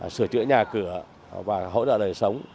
sửa chữa nhà cửa và hỗ trợ đời sống